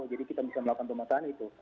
jadi kita bisa melakukan pemerintahan itu